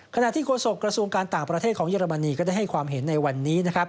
ขณะที่โฆษกระทรวงการต่างประเทศของเยอรมนีก็ได้ให้ความเห็นในวันนี้นะครับ